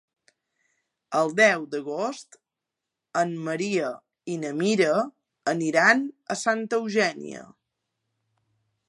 El deu d'agost en Maria i na Mira aniran a Santa Eugènia.